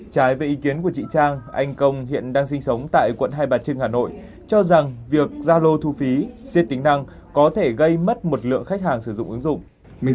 trái về ý kiến của chị trang anh công hiện đang sinh sống tại quận hai bà trưng hà nội cho rằng việc gia lô thu phí xiết tính năng có thể gây mất một lượng khách hàng sử dụng ứng dụng